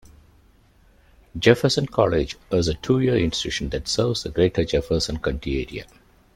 Jefferson College is a two-year institution that serves the greater Jefferson County area.